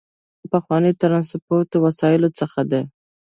بایسکل یو له پخوانیو ترانسپورتي وسایلو څخه دی.